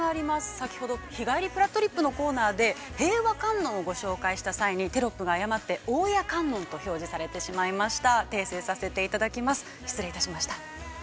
先ほど、日帰り日帰りリップのコーナーで平和観音をご紹介した際に、テロップが誤って、大谷観音と表示されてしまいました。